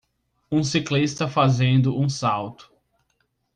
Um ciclista fazendo um salto.